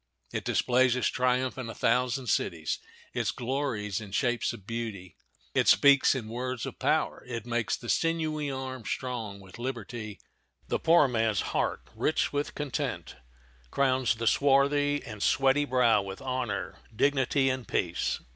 It displays its triumph in a thousand cities; it glories in shapes of beauty; it speaks in words of power; it makes the sinewy arm strong with liberty, the poor man's heart rich with content, crowns the swarthy and sweaty brow with honor, dignity, and peace.